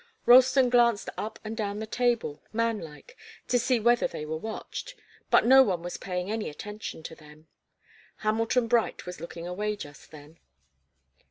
Ralston glanced up and down the table, man like, to see whether they were watched. But no one was paying any attention to them. Hamilton Bright was looking away, just then.